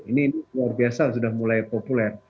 ini luar biasa sudah mulai populer